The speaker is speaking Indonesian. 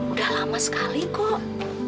udah lama sekali kok